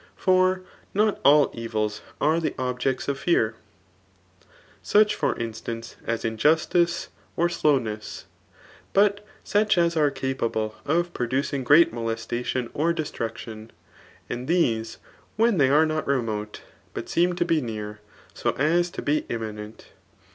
For not all evils are: the 'cfejects of feai^ $ such for instaaice^ as injusdot or slow* fiese; l^ut sndi as are capable of producing great mioM UtioB or dtstmcdon ; and these, when thejr are not »• tfiote, but seem to b^ near, so as to be inuninent.